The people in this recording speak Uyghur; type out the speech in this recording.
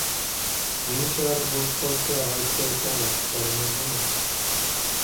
يېڭىشەھەردە بولۇپ قالسا ھايت دەۋىتىڭلار، بارىمەن جۇمۇ.